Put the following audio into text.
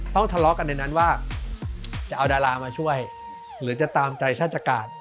ทะเลาะกันในนั้นว่าจะเอาดารามาช่วยหรือจะตามใจชาติการ